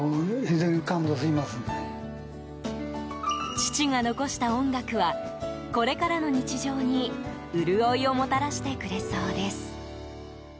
父が残した音楽はこれからの日常に潤いをもたらしてくれそうです。